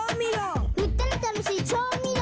「ふったらたのしい調味料！」